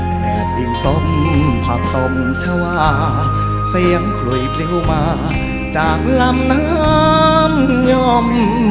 แดดดินส้มผักตมชาวาเสียงคลวยเพลวมาจากลำน้ำยอม